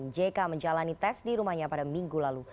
jk menjalani tes di rumahnya pada minggu lalu